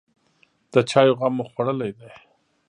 _د چايو غم مو خوړلی دی؟